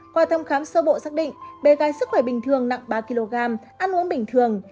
qua thăm khám sơ bộ xác định bé gái sức khỏe bình thường nặng ba kg ăn uống bình thường